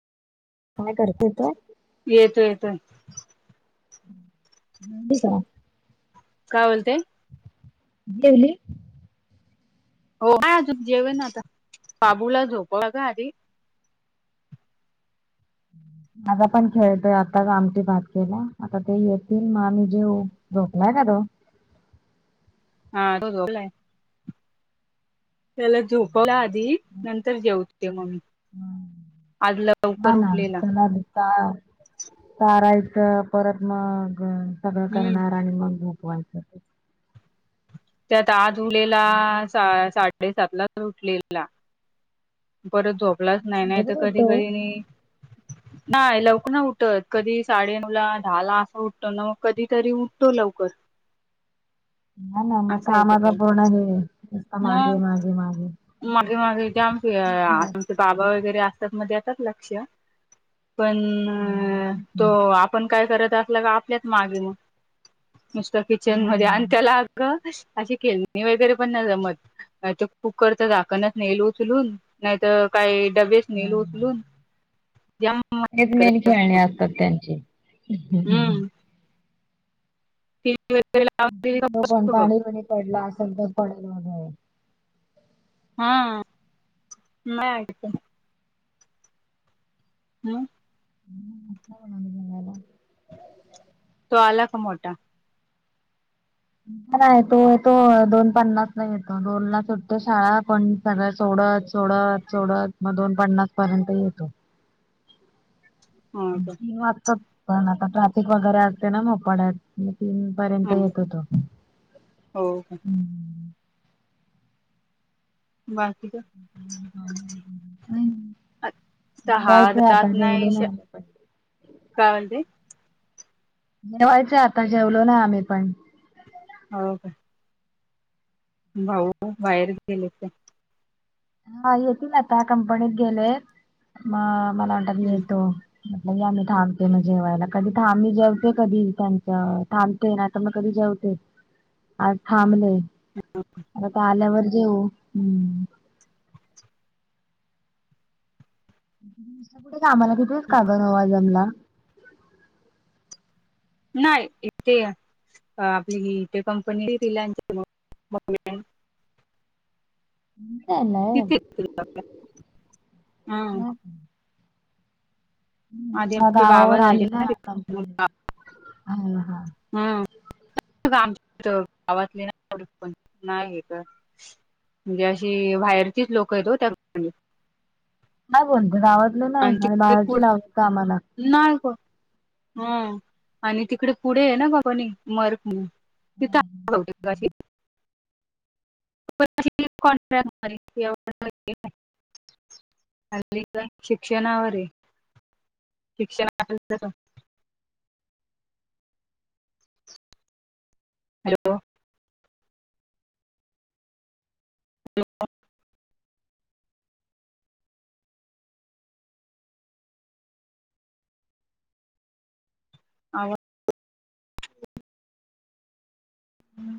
काय करते त्यात येतो येतोय. [unintelligible] का काय बोलते. जेवली. हो हा अजून जेवेण आता बाबूला झोपवला का आधी. माझा पण खेळतोय. आताच आमटी भात केला आता ते येतील मग आम्ही जेऊ झोपलाय का तो. हा तो झोपलाय त्याला झोपवला आधी नंतर जेऊत केल म मी आज हा लवकर ना उठलेला. त्याला चा चारायच परत मग सगळं हम्म करणार. आणि मग झोपवायच. त्यात आज हुलेला सा साठ साडेसातलाच उठलेला परत झोपलाच नाही नाही तर झोपच कधी - उठतो कधी नी. [inaudible] नाही लवकर ना उठत कधी साडे नऊ ला दहा ला असं उठतो ना मग कधी तरी उठतो लवकर. ह ना मग असं येत कामाचा पण हे आणि निस्ता मागे मागे - मागे मगे मागे ते हा, आमची [unintelligible] बाबा वगैरे असतात म देतात लक्ष पण तेच ना. तो आप. पण काय करत असलं का आपल्याच मागे मगं. नुसता किचन मध्ये आणि हम्म. त्याला आगं. अशी खेळणे वगैरे पण नाय जमतं ते खूप - कुकरच झाकणच नेल उचलून नाहीत काही डबेच हा नेल उचलून. जम. हेचं मेन खेळणे असतात त्यांची. त वगै [unintelligible] [unintelligible] ते पण पाणी पणी पडला असेल तर पडला वगैर. हा नाय ऐकत. ह. ह म बणाला [unintelligible] तो आला का मोठा? नाही तो येतो दोन पन्नासला येतो दोनला सुटते शाळा पण - त्याला सोडत - सोडत - सोडत मग दोन पन्नास पर्यंत येतो. हो का तीन वाजता पण आता ट्रॅफिक वगैरे असते ना नपाड्यात तीन. पर्यंत हम्म येतो तो हम्म, हो का बाकीचं. अता हा जेवायचंय आता रात नाही जेवलो शा आम्ही पण [inaudible] काय म्हणती? जेवायचं आता जेवलो नाय आम्ही पण - होवं काय. भाऊ बाहेर गेलेत काय? हा येतील आता कंपनीत गेले म मला वाणट मी येतो. या म्हटलं मी थांबते जेवायला कधी थां मी जेवते कधी त्यांच थांब. ते नावं कधी जेवते आज थांबले ते. आता आल्यावर जेवू हम्म, कुठं कामाला कितीेच का ग नवा जमला. नाही ते आपली इथे कंपनी तिला. नाय तिथे हम ह. [inaudible] आधी आमचे बाबा गावावर जायचे आले ना तिथे कंपनी हा हा. हा. आमच्या गावातले ना प आहे का [inaudible] म्हणजे अशी बाहेरचीच लोकं आहे ते तर. नाही फोन ते गावातलं नाही आणि बाहेरची लावता आम्हाला. ना ग हा आणि तिकडे पुढे आहे बघुनी ना का प मर्क म. तिथशी [inaudible] ॉन्ट्रॅक्ट [inaudible] अ शिक्षणावर आहे [inaudible] शिक्षण असेल तर. [unintelligible] [unintelligible]